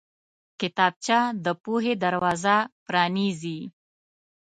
کتابچه د پوهې دروازه پرانیزي